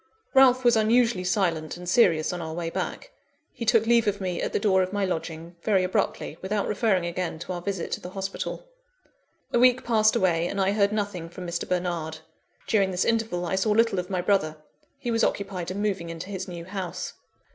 Ralph was unusually silent and serious on our way back. He took leave of me at the door of my lodging, very abruptly; without referring again to our visit to the hospital. A week passed away, and I heard nothing from Mr. Bernard. During this interval, I saw little of my brother; he was occupied in moving into his new house.